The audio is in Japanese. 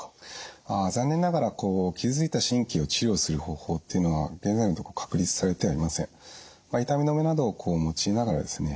あ残念ながら傷ついた神経を治療する方法っていうのは現在のところ確立されてはいません。まあ痛み止めなどを用いながらですね